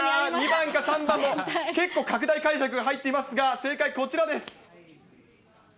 ２番か３番、結構、拡大解釈入っていますが、正解、こちらです。